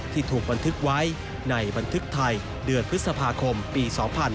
ถูกบันทึกไว้ในบันทึกไทยเดือนพฤษภาคมปี๒๕๕๙